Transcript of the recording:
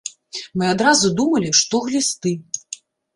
Мы адразу думалі, што глісты.